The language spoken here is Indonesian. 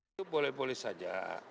itu boleh boleh saja